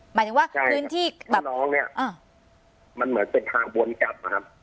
หมายถึงว่าพื้นที่บ้านน้องเนี่ยมันเหมือนเป็นทางวนกลับนะครับ